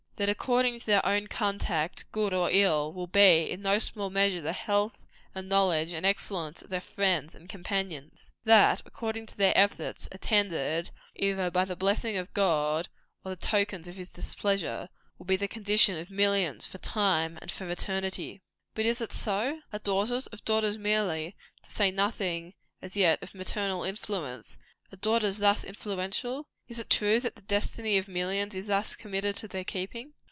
That according to their own conduct, good or ill, will be, in no small measure, the health, and knowledge, and excellence of their friends and companions. That according to their efforts attended, either by the blessing of God, or the tokens of his displeasure will be the condition of millions, for time and for eternity. But is it so? Are daughters, as daughters merely to say nothing, as yet, of maternal influence are daughters thus influential? Is it true that the destiny of millions is thus committed to their keeping?